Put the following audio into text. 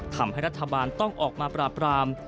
ทำให้รัฐบาลต้องออกมาปราบราม